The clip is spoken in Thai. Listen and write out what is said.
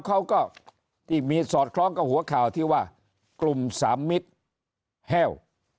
ก็มีสอดคล้องกับหัวข่าวที่ว่ากลุ่มสามมิตรแห้ว